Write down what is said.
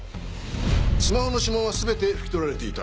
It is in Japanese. スマホの指紋はすべてふき取られていた。